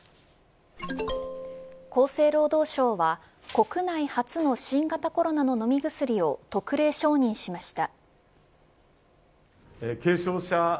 厚生労働省は国内初の新型コロナの飲み薬を特例承認しました。